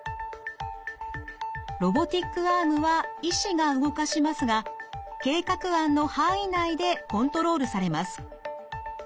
ロボティックアームは医師が動かしますが計画案の範囲内でコントロールされます。